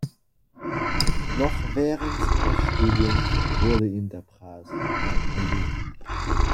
Noch während seines Studiums wurde ihm der Preis der verliehen.